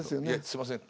「すいません